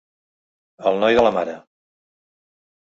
El noi de la mare.